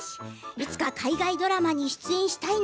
いつか海外ドラマに出演したい。